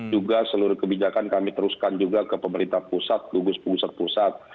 juga seluruh kebijakan kami teruskan juga ke pemerintah pusat gugus tugas pusat